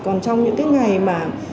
còn trong những cái ngày mà